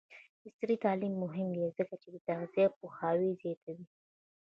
عصري تعلیم مهم دی ځکه چې د تغذیه پوهاوی زیاتوي.